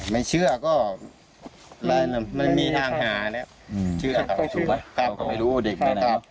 ไม่เชื่อก็ไม่มีทางหาเนี่ย